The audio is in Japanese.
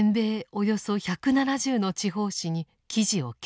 およそ１７０の地方紙に記事を掲載。